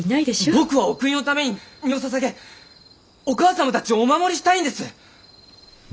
僕はお国のために身をささげお母様たちをお守りしたいんです！